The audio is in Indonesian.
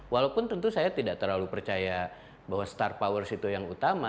walaupun tentu saya tidak terlalu percaya bahwa start powers itu yang utama